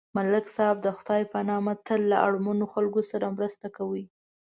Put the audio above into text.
ملک صاحب د خدای په نامه تل له اړمنو خلکو سره مرسته کوي.